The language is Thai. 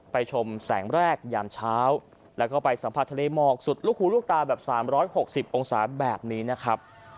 ชมแสงแรกยามเช้าแล้วก็ไปสัมผัสทะเลหมอกสุดลูกหูลูกตาแบบ๓๖๐องศาแบบนี้นะครับ